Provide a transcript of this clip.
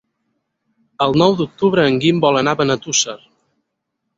El nou d'octubre en Guim vol anar a Benetússer.